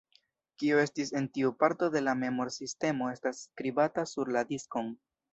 Kio estis en tiu parto de la memor-sistemo estas skribata sur la diskon.